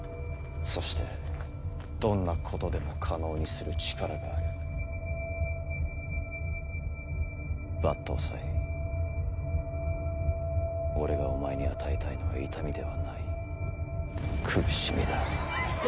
そしてどんなことでも可能にする力が抜刀斎俺がお前に与えたいのは痛みではない苦しみだうっ！